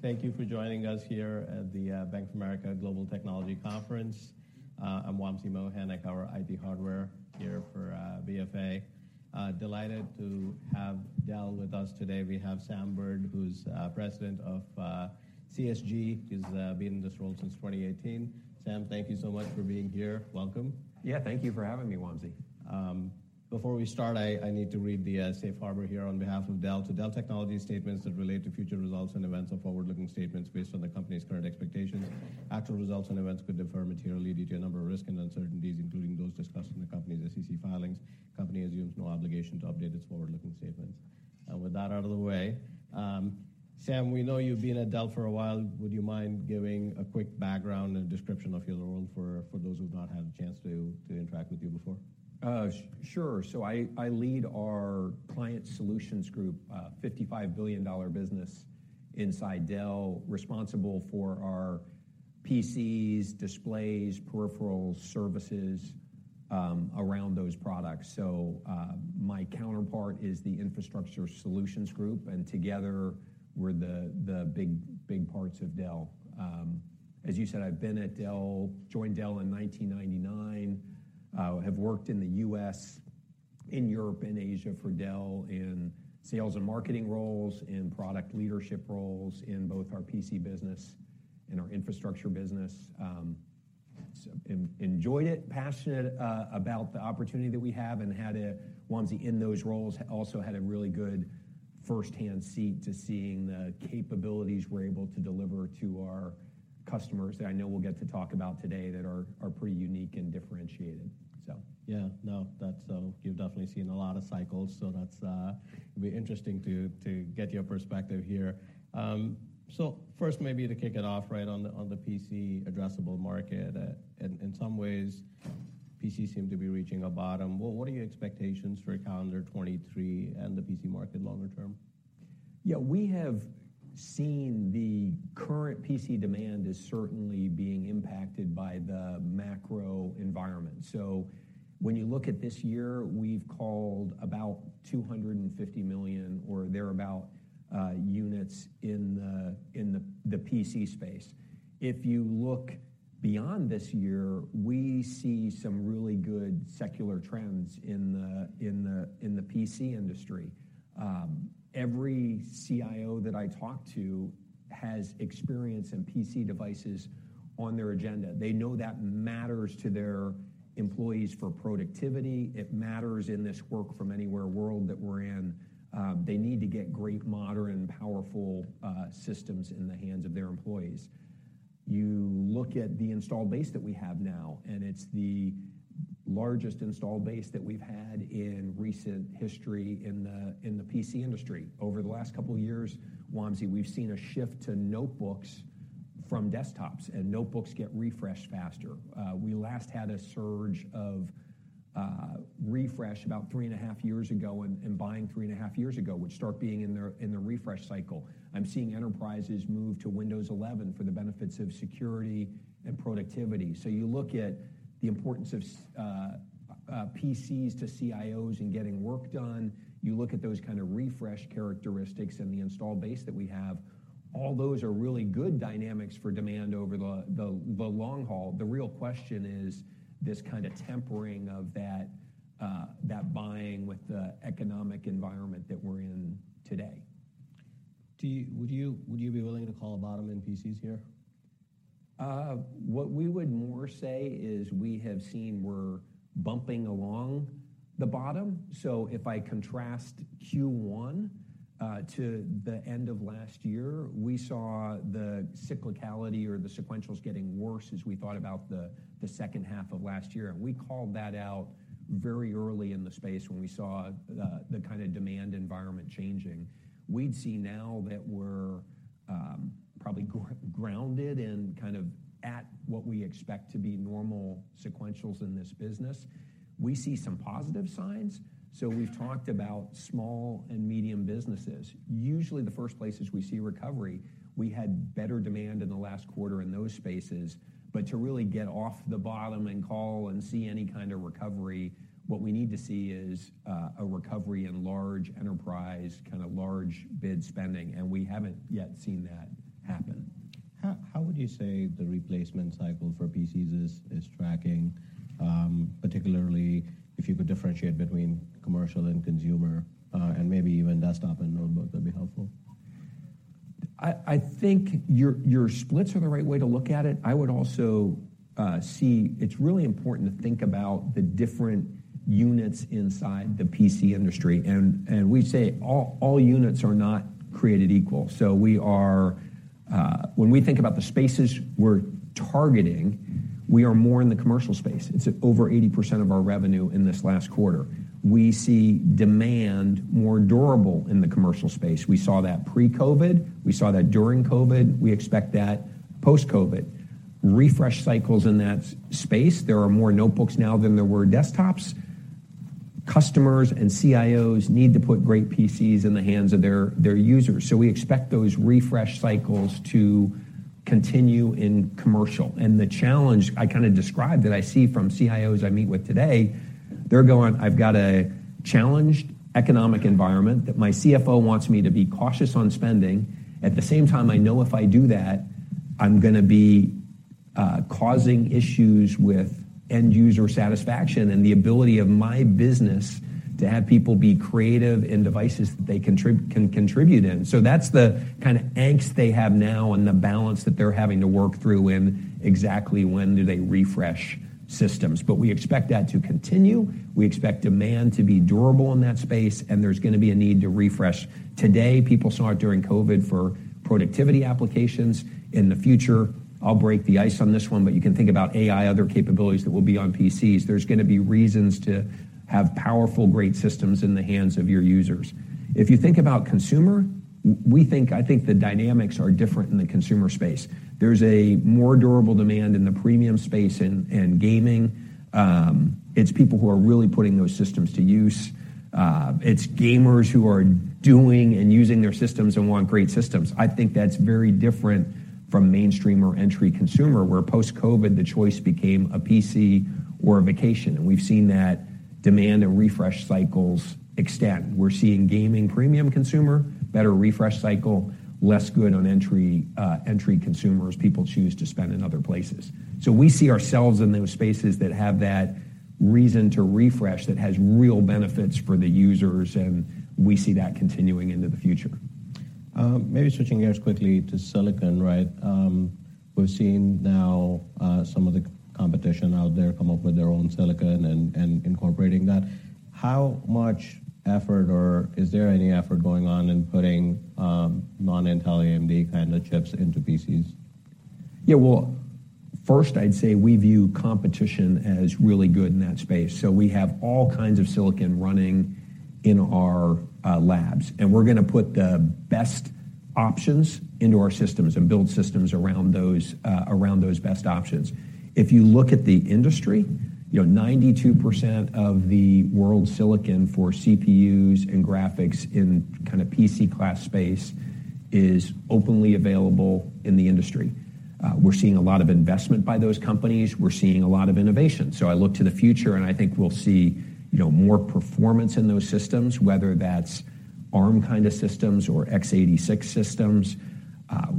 Thank you for joining us here at the Bank of America Global Technology Conference. I'm Wamsi Mohan. I cover IT hardware here for BFA. Delighted to have Dell with us today. We have Sam Burd, who's president of CSG. He's been in this role since 2018. Sam, thank you so much for being here. Welcome. Yeah, thank you for having me, Wamsi. Before we start, I need to read the safe harbor here on behalf of Dell. "To Dell Technologies statements that relate to future results and events are forward-looking statements based on the company's current expectations. Actual results and events could differ materially due to a number of risks and uncertainties, including those discussed in the company's SEC filings. Company assumes no obligation to update its forward-looking statements." With that out of the way, Sam, we know you've been at Dell for a while. Would you mind giving a quick background and description of your role for those who've not had a chance to interact with you before? Sure. I lead our Client Solutions Group, a $55 billion business inside Dell, responsible for our PCs, displays, peripherals, services, around those products. My counterpart is the Infrastructure Solutions Group, and together, we're the big parts of Dell. As you said, I've been at Dell joined Dell in 1999. Have worked in the US, in Europe, and Asia for Dell in sales and marketing roles, in product leadership roles, in both our PC business and our infrastructure business. enjoyed it, passionate about the opportunity that we have, and had a, Wamsi, in those roles, also had a really good first-hand seat to seeing the capabilities we're able to deliver to our customers, that I know we'll get to talk about today, that are pretty unique and differentiated, so. Yeah, no, that's. You've definitely seen a lot of cycles, so that's, it'll be interesting to get your perspective here. First, maybe to kick it off right on the PC addressable market. In some ways, PCs seem to be reaching a bottom. Well, what are your expectations for calendar 23 and the PC market longer term? We have seen the current PC demand is certainly being impacted by the macro environment. When you look at this year, we've called about 250 million or thereabout units in the, in the PC space. If you look beyond this year, we see some really good secular trends in the, in the, in the PC industry. Every CIO that I talk to has experience in PC devices on their agenda. They know that matters to their employees for productivity. It matters in this work-from-anywhere world that we're in. They need to get great, modern, powerful systems in the hands of their employees. You look at the installed base that we have now, and it's the largest installed base that we've had in recent history in the, in the PC industry. Over the last couple of years, Wamsi, we've seen a shift to notebooks from desktops, and notebooks get refreshed faster. We last had a surge of refresh about 3.5 years ago, and buying 3.5 years ago, which start being in the refresh cycle. I'm seeing enterprises move to Windows 11 for the benefits of security and productivity. You look at the importance of PCs to CIOs in getting work done. You look at those kind of refresh characteristics and the install base that we have. All those are really good dynamics for demand over the long haul. The real question is this kind of tempering of that buying with the economic environment that we're in today. Would you be willing to call a bottom in PCs here? What we would more say is we have seen we're bumping along the bottom. If I contrast Q1 to the end of last year, we saw the cyclicality or the sequentials getting worse as we thought about the H2 of last year. We called that out very early in the space when we saw the kind of demand environment changing. We'd see now that we're probably grounded and kind of at what we expect to be normal sequentials in this business. We see some positive signs. We've talked about small and medium businesses, usually the first places we see recovery. We had better demand in the last quarter in those spaces. To really get off the bottom and call and see any kind of recovery, what we need to see is a recovery in large enterprise, kind of large bid spending, and we haven't yet seen that happen. How would you say the replacement cycle for PCs is tracking, particularly if you could differentiate between commercial and consumer, and maybe even desktop and notebook? That'd be helpful. I think your splits are the right way to look at it. I would also see it's really important to think about the different units inside the PC industry, and we'd say all units are not created equal. When we think about the spaces we're targeting, we are more in the commercial space. It's over 80% of our revenue in this last quarter. We see demand more durable in the commercial space. We saw that pre-COVID. We saw that during COVID. We expect that post-COVID. Refresh cycles in that space, there are more notebooks now than there were desktops. Customers and CIOs need to put great PCs in the hands of their users, so we expect those refresh cycles to continue in commercial. The challenge I kind of described, that I see from CIOs I meet with today. They're going, "I've got a challenged economic environment that my CFO wants me to be cautious on spending. At the same time, I know if I do that, I'm gonna be causing issues with end user satisfaction and the ability of my business to have people be creative in devices that they can contribute in." That's the kind of angst they have now and the balance that they're having to work through in exactly when do they refresh systems. We expect that to continue. We expect demand to be durable in that space, and there's gonna be a need to refresh. Today, people saw it during COVID for productivity applications. In the future, I'll break the ice on this one, but you can think about AI, other capabilities that will be on PCs. There's gonna be reasons to have powerful, great systems in the hands of your users. If you think about consumer, I think the dynamics are different in the consumer space. There's a more durable demand in the premium space in gaming. It's people who are really putting those systems to use. It's gamers who are doing and using their systems and want great systems. I think that's very different from mainstream or entry consumer, where post-COVID, the choice became a PC or a vacation, and we've seen that demand and refresh cycles extend. We're seeing gaming premium consumer, better refresh cycle, less good on entry consumers. People choose to spend in other places. We see ourselves in those spaces that have that reason to refresh, that has real benefits for the users, and we see that continuing into the future. Maybe switching gears quickly to silicon, right? We're seeing now, some of the competition out there come up with their own silicon and incorporating that. How much effort, or is there any effort going on in putting, non-Intel AMD kind of chips into PCs? Well, first I'd say we view competition as really good in that space. We have all kinds of silicon running in our labs, and we're gonna put the best options into our systems and build systems around those best options. If you look at the industry, you know, 92% of the world's silicon for CPUs and graphics in kind of PC class space is openly available in the industry. We're seeing a lot of investment by those companies. We're seeing a lot of innovation. I look to the future, and I think we'll see, you know, more performance in those systems, whether that's ARM kind of systems or x86 systems.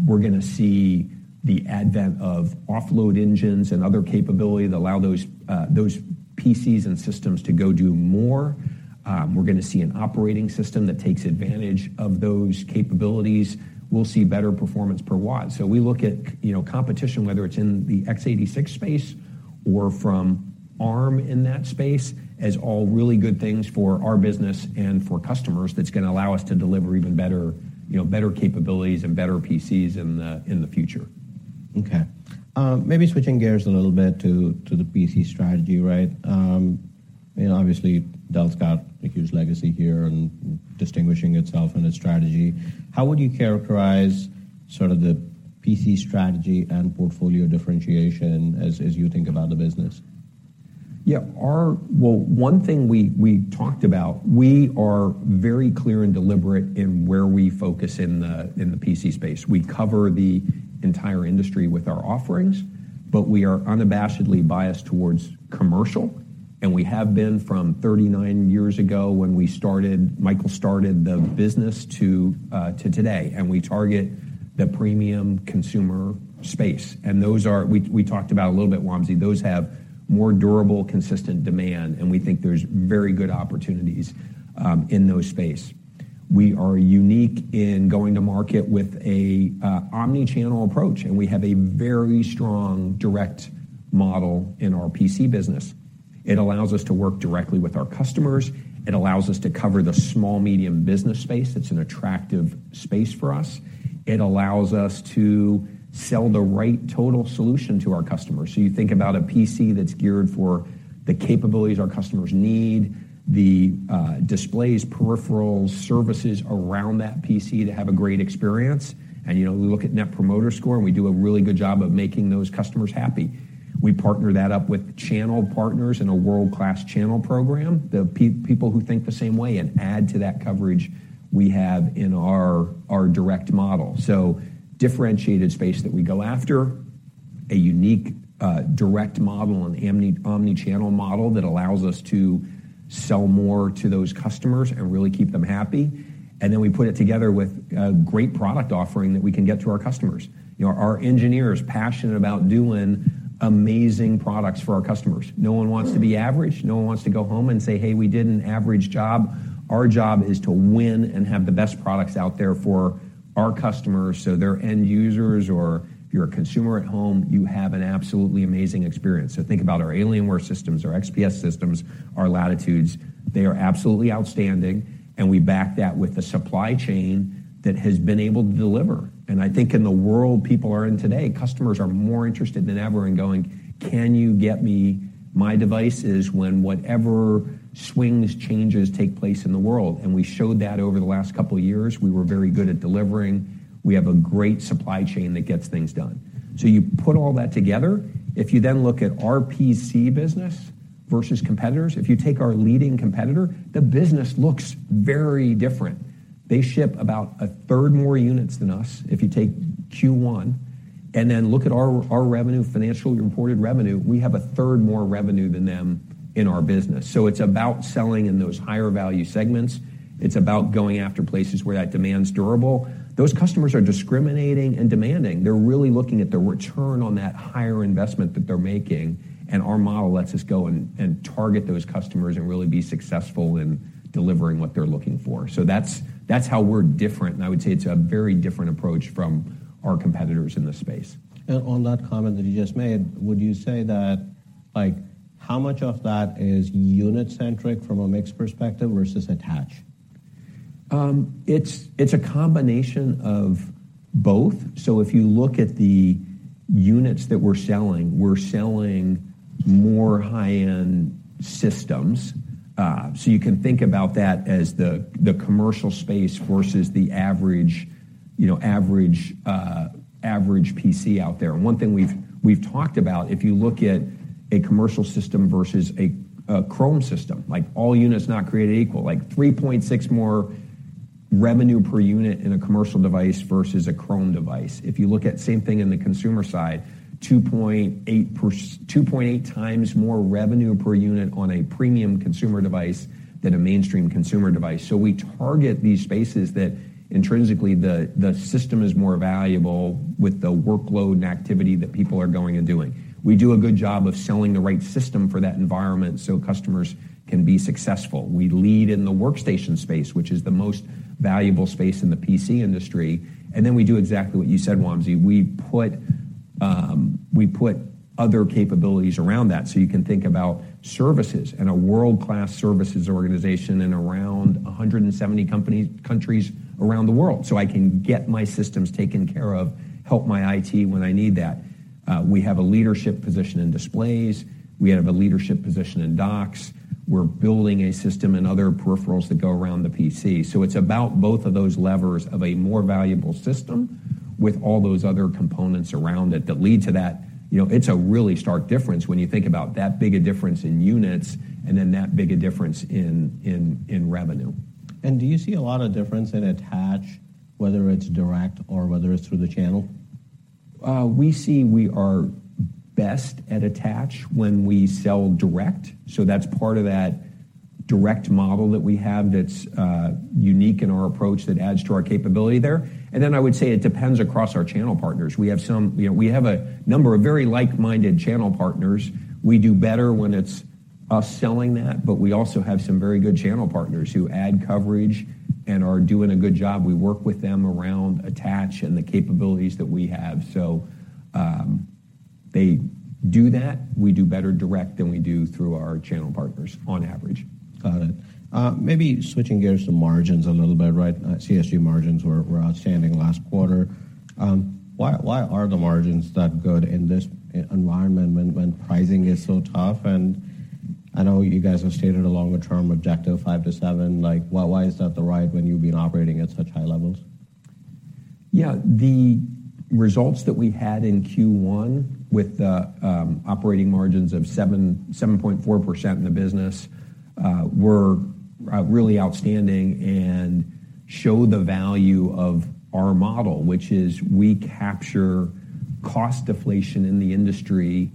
We're gonna see the advent of offload engines and other capability that allow those PCs and systems to go do more. We're gonna see an operating system that takes advantage of those capabilities. We'll see better performance per watt. We look at, you know, competition, whether it's in the x86 space or from ARM in that space, as all really good things for our business and for customers, that's gonna allow us to deliver even better, you know, better capabilities and better PCs in the, in the future. Maybe switching gears a little bit to the PC strategy, right? You know, obviously, Dell's got a huge legacy here in distinguishing itself and its strategy. How would you characterize sort of the PC strategy and portfolio differentiation as you think about the business? Yeah. Well, one thing we talked about, we are very clear and deliberate in where we focus in the PC space. We cover the entire industry with our offerings, but we are unabashedly biased towards commercial, and we have been from 39 years ago when we started Michael started the business to today, and we target the premium consumer space. Those are we talked about a little bit, Wamsi. Those have more durable, consistent demand, and we think there's very good opportunities in those space. We are unique in going to market with a omni-channel approach, and we have a very strong direct model in our PC business. It allows us to work directly with our customers. It allows us to cover the small, medium business space. It's an attractive space for us. It allows us to sell the right total solution to our customers. you think about a PC that's geared for the capabilities our customers need, the displays, peripherals, services around that PC to have a great experience. you know, we look at Net Promoter Score, and we do a really good job of making those customers happy. We partner that up with channel partners in a world-class channel program, the people who think the same way and add to that coverage we have in our direct model. differentiated space that we go after, a unique direct model and omni-channel model that allows us to sell more to those customers and really keep them happy, we put it together with a great product offering that we can get to our customers. You know, our engineers are passionate about doing amazing products for our customers. No one wants to be average. No one wants to go home and say, "Hey, we did an average job." Our job is to win and have the best products out there for our customers, so their end users or if you're a consumer at home, you have an absolutely amazing experience. Think about our Alienware systems, our XPS systems, our Latitude. They are absolutely outstanding, and we back that with a supply chain that has been able to deliver. I think in the world people are in today, customers are more interested than ever in going: "Can you get me my devices when whatever swings, changes take place in the world?" We showed that over the last couple of years, we were very good at delivering. We have a great supply chain that gets things done. You put all that together. If you then look at our PC business versus competitors, if you take our leading competitor, the business looks very different. They ship about a third more units than us, if you take Q1, then look at our revenue, financial reported revenue, we have a third more revenue than them in our business. It's about selling in those higher value segments. It's about going after places where that demand's durable. Those customers are discriminating and demanding. They're really looking at the return on that higher investment that they're making, our model lets us go and target those customers and really be successful in delivering what they're looking for. That's how we're different, I would say it's a very different approach from our competitors in this space. On that comment that you just made, would you say that, like, how much of that is unit-centric from a mix perspective versus attach? It's a combination of both. If you look at the units that we're selling, we're selling more high-end systems. You can think about that as the commercial space versus the average PC out there. One thing we've talked about, if you look at a commercial system versus a Chromebook system, like, all units are not created equal. 3.6 more revenue per unit in a commercial device versus a Chromebook device. If you look at same thing in the consumer side, 2.8 times more revenue per unit on a premium consumer device than a mainstream consumer device. We target these spaces that intrinsically the system is more valuable with the workload and activity that people are going and doing. We do a good job of selling the right system for that environment so customers can be successful. We lead in the workstation space, which is the most valuable space in the PC industry, and then we do exactly what you said, Wamsi. We put other capabilities around that. You can think about services and a world-class services organization in around 170 countries around the world. I can get my systems taken care of, help my IT when I need that. We have a leadership position in displays. We have a leadership position in docs. We're building a system and other peripherals that go around the PC. It's about both of those levers of a more valuable system with all those other components around it that lead to that. You know, it's a really stark difference when you think about that big a difference in units, and then that big a difference in revenue. Do you see a lot of difference in attach, whether it's direct or whether it's through the channel? We see we are best at attach when we sell direct, so that's part of that direct model that we have that's unique in our approach, that adds to our capability there. I would say it depends across our channel partners. We have a number of very like-minded channel partners. We do better when it's us selling that, but we also have some very good channel partners who add coverage and are doing a good job. We work with them around attach and the capabilities that we have. They do that. We do better direct than we do through our channel partners on average. Got it. maybe switching gears to margins a little bit, right? CSG margins were outstanding last quarter. why are the margins that good in this environment when pricing is so tough? I know you guys have stated a longer-term objective, 5%-7%. Like, why is that the right when you've been operating at such high levels? Yeah. The results that we had in Q1 with the operating margins of 7.4% in the business were really outstanding and show the value of our model, which is we capture cost deflation in the industry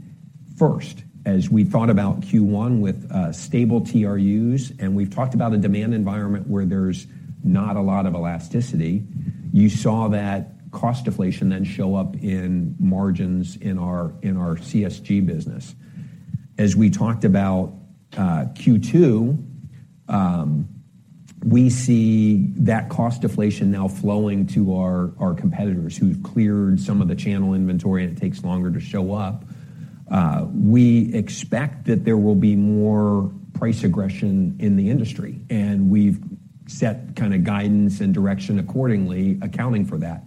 first. As we thought about Q1 with stable TRUs, and we've talked about a demand environment where there's not a lot of elasticity, you saw that cost deflation then show up in margins in our CSG business. As we talked about Q2, we see that cost deflation now flowing to our competitors who've cleared some of the channel inventory, and it takes longer to show up. We expect that there will be more price aggression in the industry, and we've set kind of guidance and direction accordingly, accounting for that.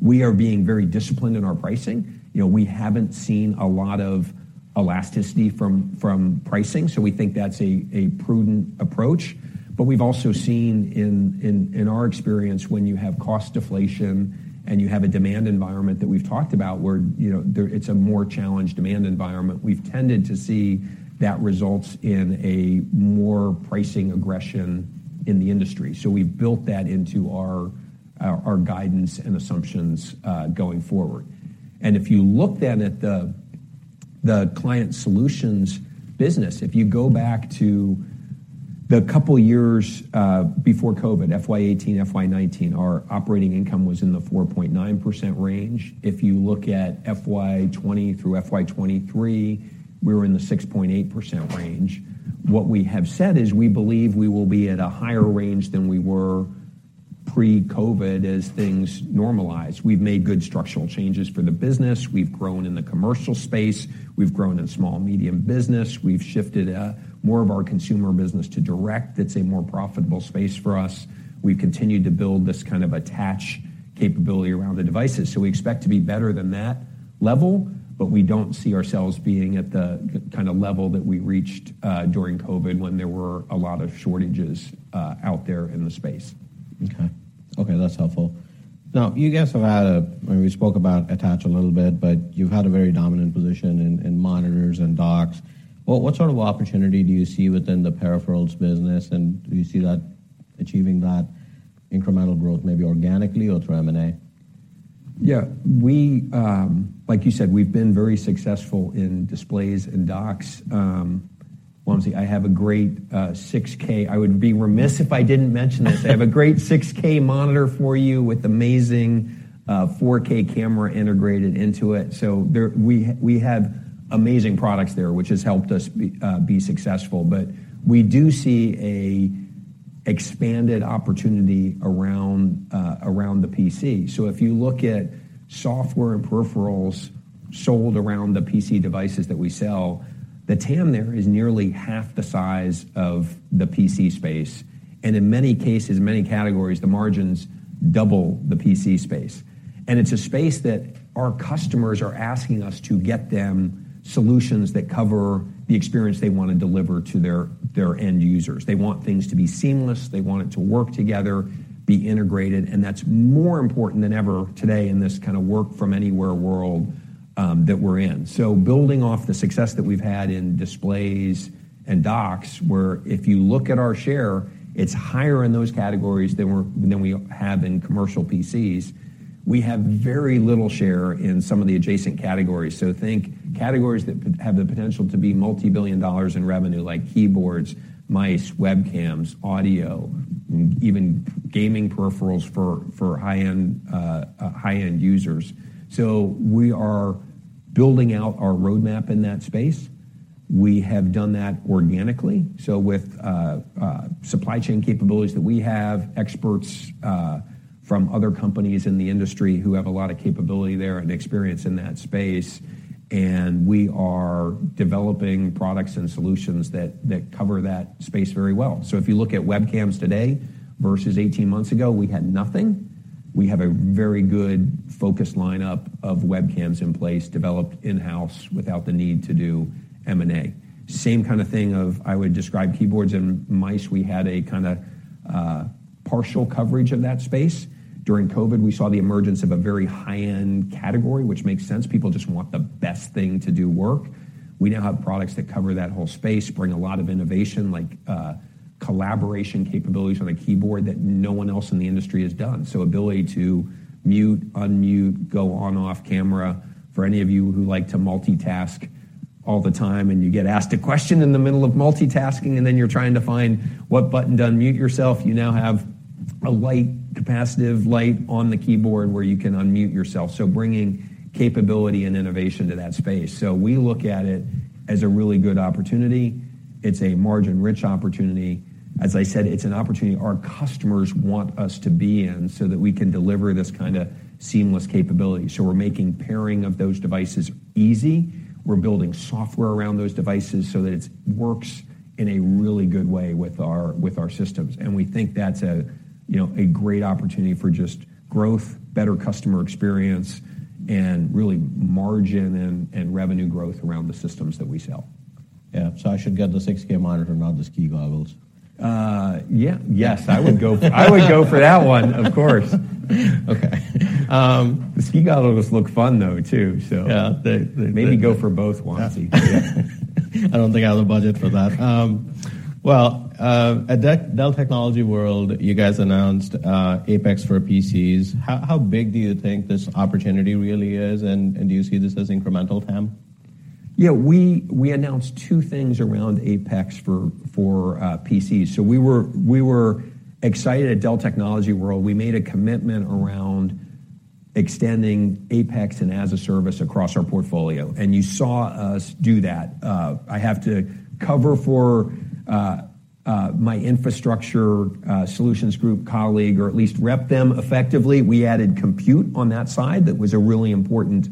We are being very disciplined in our pricing. You know, we haven't seen a lot of elasticity from pricing, so we think that's a prudent approach. We've also seen in our experience, when you have cost deflation and you have a demand environment that we've talked about, where, you know, it's a more challenged demand environment, we've tended to see that results in a more pricing aggression in the industry. We've built that into our guidance and assumptions going forward. If you look then at the Client Solutions business, if you go back to the couple of years before COVID, FY 2018, FY 2019, our operating income was in the 4.9% range. If you look at FY 2020 through FY 2023, we were in the 6.8% range. What we have said is, we believe we will be at a higher range than we were pre-COVID as things normalize. We've made good structural changes for the business. We've grown in the commercial space. We've grown in small, medium business. We've shifted more of our consumer business to direct. It's a more profitable space for us. We've continued to build this kind of attach capability around the devices. We expect to be better than that level, but we don't see ourselves being at the kind of level that we reached during COVID when there were a lot of shortages out there in the space. Okay. Okay, that's helpful. You guys have had a, and we spoke about attach a little bit, but you've had a very dominant position in monitors and docks. What sort of opportunity do you see within the peripherals business, and do you see that achieving that incremental growth, maybe organically or through M&A? Yeah, we, like you said, we've been very successful in displays and docks. Wamsi, I would be remiss if I didn't mention this. I have a great 6K monitor for you with amazing 4K camera integrated into it. We have amazing products there, which has helped us be successful. We do see an expanded opportunity around the PC. If you look at software and peripherals sold around the PC devices that we sell, the TAM there is nearly half the size of the PC space, and in many cases, many categories, the margins double the PC space. It's a space that our customers are asking us to get them solutions that cover the experience they want to deliver to their end users. They want things to be seamless, they want it to work together, be integrated, and that's more important than ever today in this kind of work-from-anywhere world that we're in. Building off the success that we've had in displays and docks, where if you look at our share, it's higher in those categories than we have in commercial PCs. We have very little share in some of the adjacent categories. Think categories that could have the potential to be multibillion dollars in revenue, like keyboards, mice, webcams, audio, and even gaming peripherals for high-end users. We are building out our roadmap in that space. We have done that organically, so with supply chain capabilities that we have, experts from other companies in the industry who have a lot of capability there and experience in that space, and we are developing products and solutions that cover that space very well. If you look at webcams today versus 18 months ago, we had nothing. We have a very good focused lineup of webcams in place, developed in-house without the need to do M&A. Same kind of thing of I would describe keyboards and mice. We had a kind of partial coverage of that space. During COVID, we saw the emergence of a very high-end category, which makes sense. People just want the best thing to do work. We now have products that cover that whole space, bring a lot of innovation, like collaboration capabilities on a keyboard that no one else in the industry has done. Ability to mute, unmute, go on, off camera. For any of you who like to multitask all the time, and you get asked a question in the middle of multitasking, and then you're trying to find what button to unmute yourself, you now have a light, capacitive light on the keyboard where you can unmute yourself. Bringing capability and innovation to that space. We look at it as a really good opportunity. It's a margin-rich opportunity. As I said, it's an opportunity our customers want us to be in, so that we can deliver this kind of seamless capability. We're making pairing of those devices easy. We're building software around those devices so that it works in a really good way with our systems, we think that's a, you know, a great opportunity for just growth, better customer experience, and really margin and revenue growth around the systems that we sell. Yeah. I should get the 6K monitor, not the ski goggles? Yeah. Yes, I would go for that one, of course. Okay. The ski goggles look fun, though, too, so- Yeah. Maybe go for both, Wamsi. I don't think I have the budget for that. Well, at Dell Technologies World, you guys announced, APEX for PCs. How big do you think this opportunity really is, and do you see this as incremental TAM? Yeah, we announced two things around APEX for PCs. We were excited at Dell Technologies World. We made a commitment around extending APEX and as-a-service across our portfolio, and you saw us do that. I have to cover for my Infrastructure Solutions Group colleague, or at least rep them effectively. We added compute on that side. That was a really important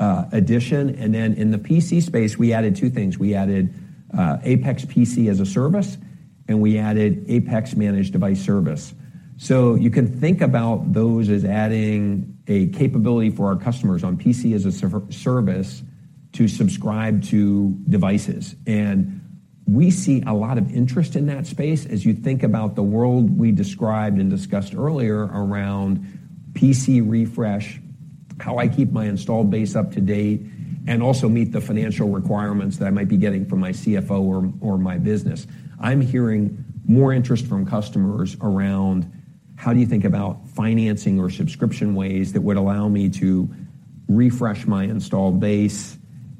addition. In the PC space, we added two things. We added APEX PC as a Service, and we added APEX Managed Device Service. You can think about those as adding a capability for our customers on PC as a service to subscribe to devices, and we see a lot of interest in that space. As you think about the world we described and discussed earlier around PC refresh, how I keep my install base up to date, and also meet the financial requirements that I might be getting from my CFO or my business. I'm hearing more interest from customers around: How do you think about financing or subscription ways that would allow me to refresh my installed base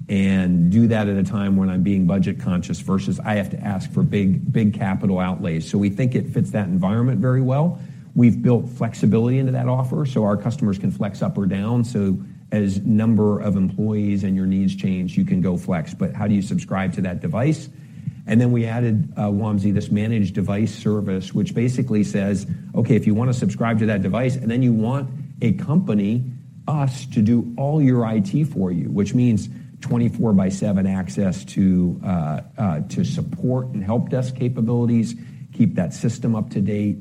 and do that at a time when I'm being budget-conscious, versus I have to ask for big capital outlays? We think it fits that environment very well. We've built flexibility into that offer, so our customers can flex up or down. As number of employees and your needs change, you can go flex, but how do you subscribe to that device? We added, Wamsi, this Managed Device Service, which basically says, "Okay, if you want to subscribe to that device, and then you want a company, us, to do all your IT for you," which means 24 by 7 access to support and help desk capabilities, keep that system up to date,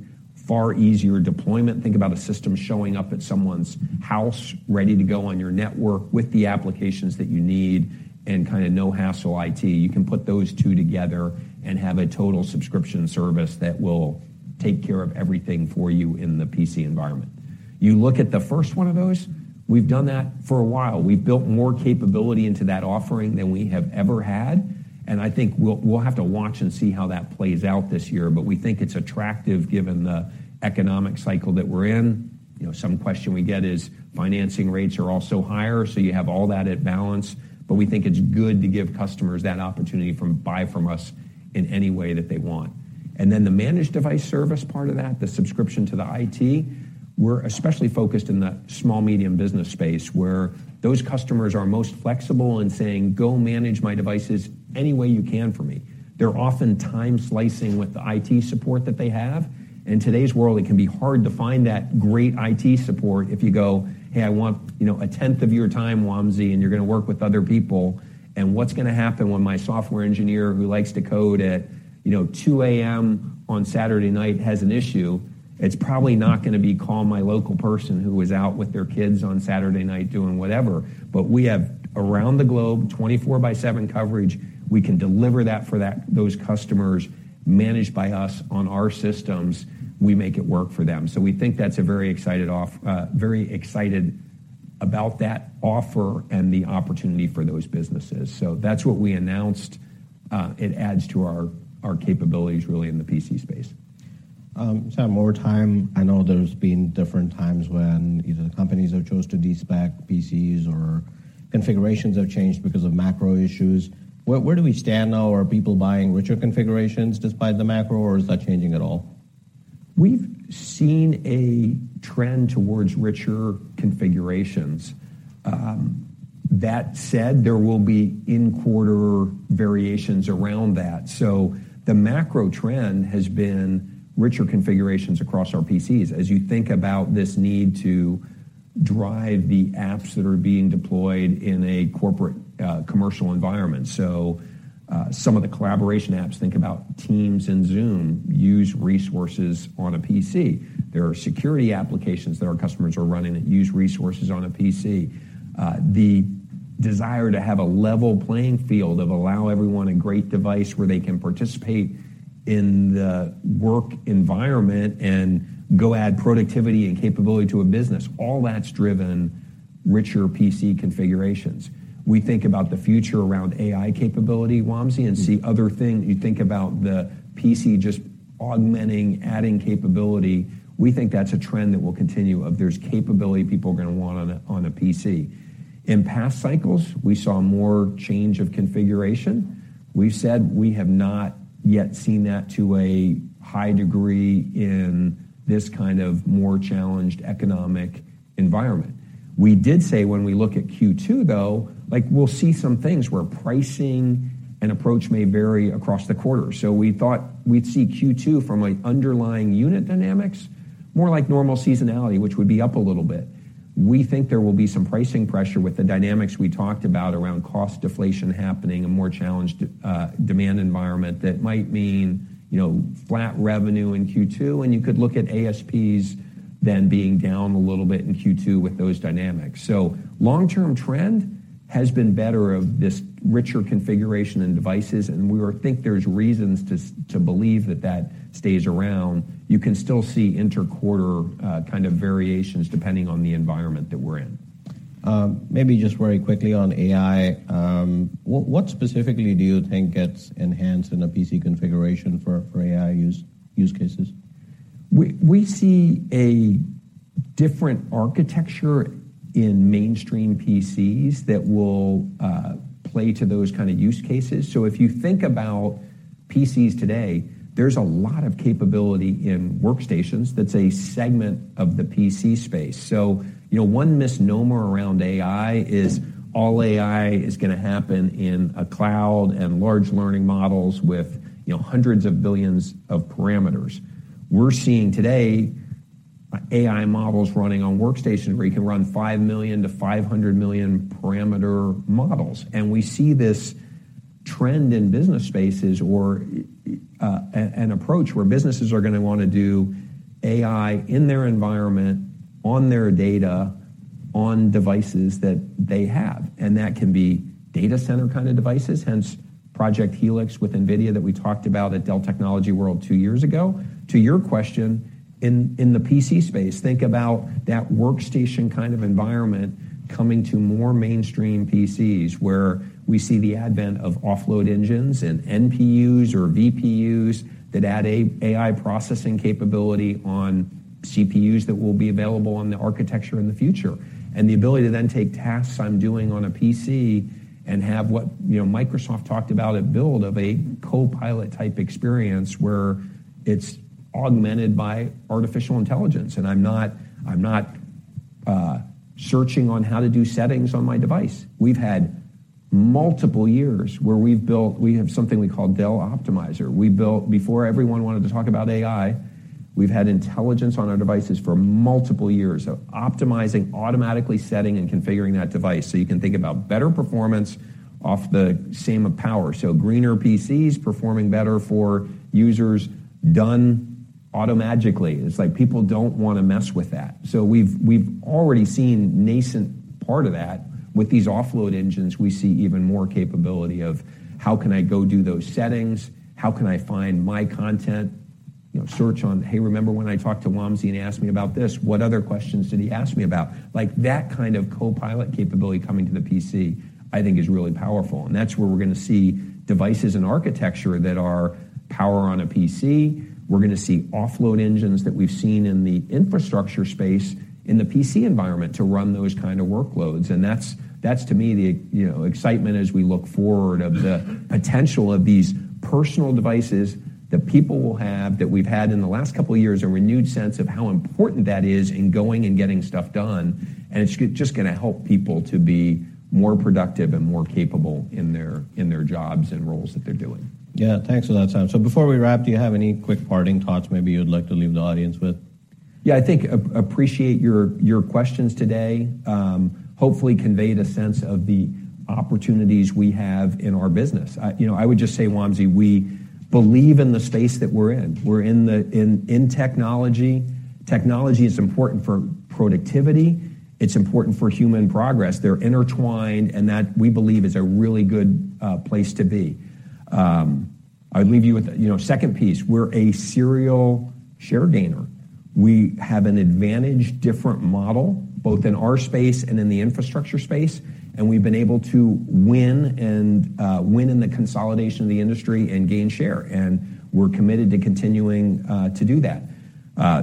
far easier deployment. Think about a system showing up at someone's house, ready to go on your network with the applications that you need and kind of no-hassle IT. You can put those two together and have a total subscription service that will take care of everything for you in the PC environment. You look at the first one of those, we've done that for a while. We've built more capability into that offering than we have ever had. I think we'll have to watch and see how that plays out this year. We think it's attractive given the economic cycle that we're in. You know, some question we get is financing rates are also higher, so you have all that at balance. We think it's good to give customers that opportunity buy from us in any way that they want. The Managed Device Service part of that, the subscription to the IT, we're especially focused in the small medium business space, where those customers are most flexible in saying, "Go manage my devices any way you can for me." They're often time slicing with the IT support that they have. In today's world, it can be hard to find that great IT support if you go, "Hey, I want, you know, a tenth of your time, Wamsi, and you're gonna work with other people." What's gonna happen when my software engineer who likes to code at, you know, 2:00 A.M. on Saturday night has an issue? It's probably not gonna be call my local person who is out with their kids on Saturday night doing whatever. We have, around the globe, 24/7 coverage. We can deliver that for those customers managed by us on our systems. We make it work for them. We think that's a very excited about that offer and the opportunity for those businesses. That's what we announced. It adds to our capabilities really in the PC space. Over time, I know there's been different times when either the companies have chose to de-spec PCs or configurations have changed because of macro issues. Where do we stand now? Are people buying richer configurations despite the macro, or is that changing at all? We've seen a trend towards richer configurations. That said, there will be in-quarter variations around that. The macro trend has been richer configurations across our PCs, as you think about this need to drive the apps that are being deployed in a corporate, commercial environment. Some of the collaboration apps, think about Teams and Zoom, use resources on a PC. There are security applications that our customers are running that use resources on a PC. The desire to have a level playing field of allow everyone a great device where they can participate in the work environment and go add productivity and capability to a business, all that's driven richer PC configurations. We think about the future around AI capability, Wamsi, and see other things. You think about the PC just augmenting, adding capability. We think that's a trend that will continue of there's capability people are gonna want on a PC. In past cycles, we saw more change of configuration. We've said we have not yet seen that to a high degree in this kind of more challenged economic environment. We did say when we look at Q2, though, like, we'll see some things where pricing and approach may vary across the quarter. We thought we'd see Q2 from an underlying unit dynamics, more like normal seasonality, which would be up a little bit. We think there will be some pricing pressure with the dynamics we talked about around cost deflation happening, a more challenged demand environment. That might mean, you know, flat revenue in Q2, and you could look at ASPs then being down a little bit in Q2 with those dynamics. Long-term trend has been better of this richer configuration and devices, and we would think there's reasons to believe that that stays around. You can still see inter-quarter kind of variations depending on the environment that we're in. Maybe just very quickly on AI. What specifically do you think gets enhanced in a PC configuration for AI use cases? We see a different architecture in mainstream PCs that will play to those kind of use cases. If you think about PCs today, there's a lot of capability in workstations that's a segment of the PC space. You know, one misnomer around AI is all AI is gonna happen in a cloud and large learning models with, you know, hundreds of billions of parameters. We're seeing today AI models running on workstations, where you can run 5 million to 500 million parameter models, and we see this trend in business spaces or an approach where businesses are gonna wanna do AI in their environment, on their data, on devices that they have. That can be data center kind of devices, hence Project Helix with NVIDIA that we talked about at Dell Technologies World two years ago. To your question, in the PC space, think about that workstation kind of environment coming to more mainstream PCs, where we see the advent of offload engines and NPUs or VPUs that add AI processing capability on CPUs that will be available on the architecture in the future. The ability to then take tasks I'm doing on a PC and have what, you know, Microsoft talked about at Build of a Copilot-type experience, where it's augmented by artificial intelligence, and I'm not searching on how to do settings on my device. We've had multiple years where we have something we call Dell Optimizer. We built. Before everyone wanted to talk about AI, we've had intelligence on our devices for multiple years of optimizing, automatically setting, and configuring that device, so you can think about better performance off the same power. Greener PCs performing better for users, done automatically. It's like people don't wanna mess with that. We've already seen nascent part of that. With these offload engines, we see even more capability of: how can I go do those settings? How can I find my content. You know, search on, "Hey, remember when I talked to Wamsi and he asked me about this? What other questions did he ask me about?" Like, that kind of Copilot capability coming to the PC, I think is really powerful, and that's where we're gonna see devices and architecture that are power on a PC. We're gonna see offload engines that we've seen in the infrastructure space, in the PC environment, to run those kind of workloads. That's, to me, the, you know, excitement as we look forward of the potential of these personal devices that people will have, that we've had in the last couple of years, a renewed sense of how important that is in going and getting stuff done. It's just gonna help people to be more productive and more capable in their jobs and roles that they're doing. Yeah. Thanks for that, Sam. Before we wrap, do you have any quick parting thoughts maybe you'd like to leave the audience with? Yeah, I think appreciate your questions today. Hopefully conveyed a sense of the opportunities we have in our business. I, you know, I would just say, Wamsi, we believe in the space that we're in. We're in technology. Technology is important for productivity, it's important for human progress. They're intertwined, that, we believe, is a really good place to be. I would leave you with, you know, second piece, we're a serial share gainer. We have an advantage, different model, both in our space and in the infrastructure space, we've been able to win in the consolidation of the industry and gain share. We're committed to continuing to do that.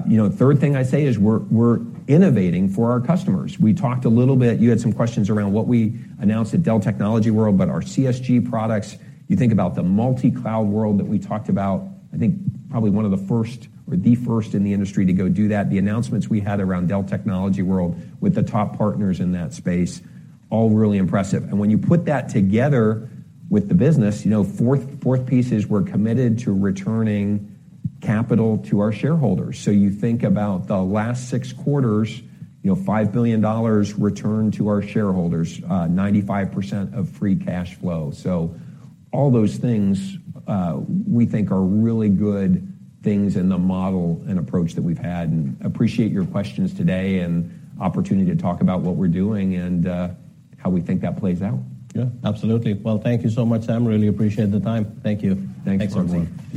You know, third thing I'd say is we're innovating for our customers. We talked a little bit. You had some questions around what we announced at Dell Technologies World, about our CSG products. You think about the multi-cloud world that we talked about, I think probably one of the first or the first in the industry to go do that. The announcements we had around Dell Technologies World with the top partners in that space, all really impressive. When you put that together with the business, you know, fourth piece is we're committed to returning capital to our shareholders. You think about the last 6 quarters, you know, $5 billion returned to our shareholders, 95% of free cash flow. All those things, we think are really good things in the model and approach that we've had, and appreciate your questions today and opportunity to talk about what we're doing and how we think that plays out. Yeah, absolutely. Well, thank you so much, Sam. Really appreciate the time. Thank you. Thanks, Wamsi.